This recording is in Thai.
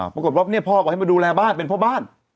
ปรากฏว่าเนี่ยพ่อก็ให้มาดูแลบ้านเป็นพ่อบ้าน